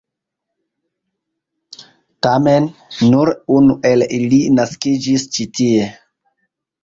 Tamen, nur unu el ili naskiĝis ĉi tie.